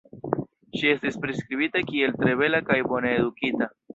Ŝi estis priskribita kiel tre bela kaj bone edukita.